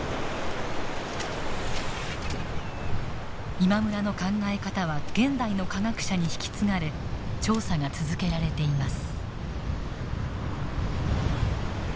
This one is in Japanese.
今村の考え方は現代の科学者に引き継がれ調査が続けられています。